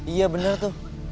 iya benar itu